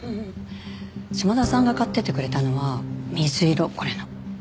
島田さんが買っていってくれたのは水色これの。